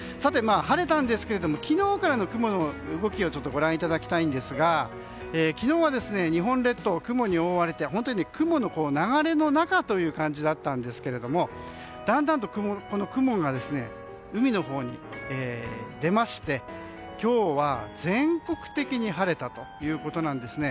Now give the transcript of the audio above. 晴れたんですが、昨日からの雲の動きをご覧いただきますと昨日は、日本列島は雲に覆われて雲の流れの中という感じだったんですけれどもだんだんとこの雲が海のほうに出まして今日は、全国的に晴れたということなんですね。